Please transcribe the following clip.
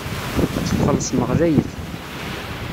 Ad tt-txellṣem ɣlayet.